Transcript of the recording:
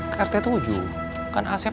ke rt tujuh bukan ac rt tujuh